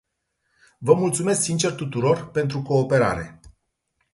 Vă mulțumesc sincer tuturor pentru cooperare.